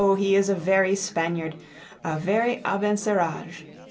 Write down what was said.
he is a very Spaniard, a very Abencerrage.